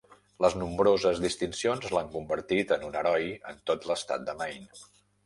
Les nombroses distincions l'han convertit en un heroi en tot l'estat de Maine.